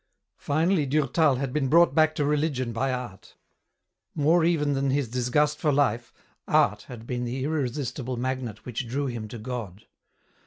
Finally Durtal had been brought back to religion by art. More even than his disgust for life, art had been the irre sistible magnet which drew him to God.